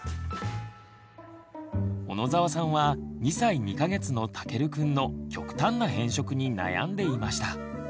小野澤さんは２歳２か月のたけるくんの極端な偏食に悩んでいました。